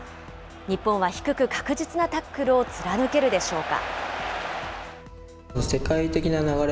日本は低く確実なタックルを貫けるでしょうか。